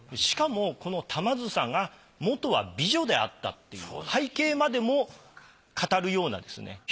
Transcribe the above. しかもこの玉梓がもとは美女であったっていう背景までも語るようなですね